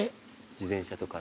自転車とか。